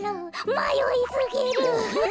まよいすぎる。